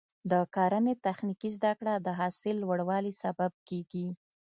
د کرنې تخنیکي زده کړه د حاصل لوړوالي سبب کېږي.